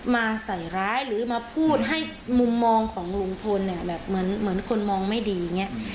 มาใส่ร้ายหรือมาพูดให้มุมมองของลุงพลเนี่ยแบบเหมือนคนมองไม่ดีอย่างนี้